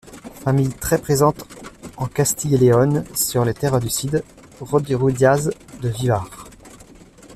Famille très présente en Castille-et-Léon sur les terres du Cid, Rodrigo Díaz de Vivar.